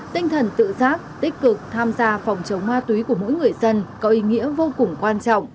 tinh thần tự giác tích cực tham gia phòng chống ma túy của mỗi người dân có ý nghĩa vô cùng quan trọng